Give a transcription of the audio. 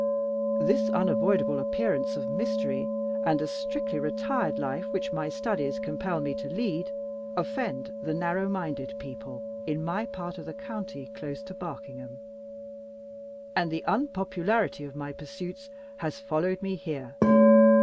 This unavoidable appearance of mystery, and the strictly retired life which my studies compel me to lead, offend the narrow minded people in my part of the county, close to Barkingham; and the unpopularity of my pursuits has followed me here.